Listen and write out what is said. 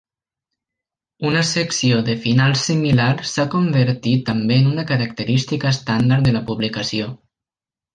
Una secció de finals similar s'ha convertit també en una característica estàndard de la publicació.